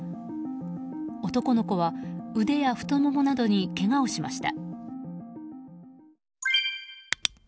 男の子は腕や太ももなどにけがをしました。